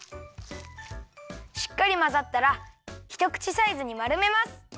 しっかりまざったらひとくちサイズにまるめます！